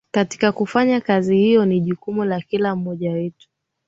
Katika kufanya kazi hiyo ni jukumu la kila mmoja wetu